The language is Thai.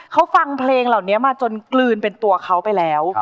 เขาฟังเพลงเหล่านี้มาจนกลืนเป็นตัวเขาไปแล้ว